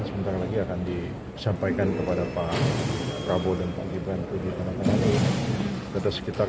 sebentar lagi akan disampaikan kepada pak prabowo dan pak ibrahim itu di tempat lain ada sekitar tiga puluh enam